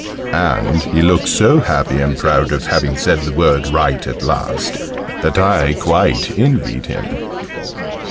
And he looked so happy and proud at having said the word right at last, that I quite envied him.